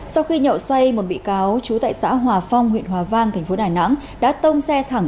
sau khi nhậu xoay một bị cáo chú tại xã hòa phong huyện hòa vang tp đà nẵng đã tông xe thẳng